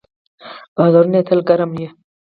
بازارونه یې تل ګرم وي.